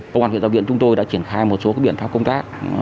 công an huyện giáo viện chúng tôi đã triển khai một số biện pháp công tác